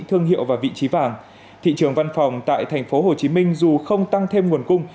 thương hiệu và vị trí vàng thị trường văn phòng tại tp hcm dù không tăng thêm nguồn cung